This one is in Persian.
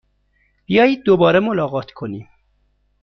بیایید دوباره ملاقات کنیم!